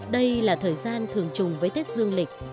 đây là thời gian thường trùng với tết dương lịch